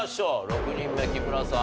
６人目木村さん